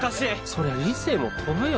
そりゃ理性も飛ぶよ